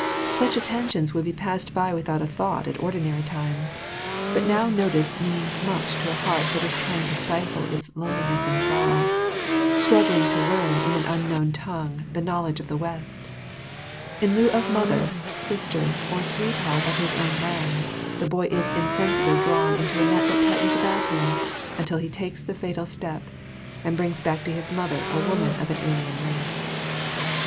Such attentions would be passed by without a thought at ordinary times, but now notice means much to a heart that is trying hard to stifle its loneliness and sorrow, struggling to learn in an unknown tongue the knowledge of the West; in lieu of mother, sister, or sweetheart of his own land, the boy is insensibly drawn into a net that tightens about him, until he takes the fatal step and brings back to his mother a woman of an alien race.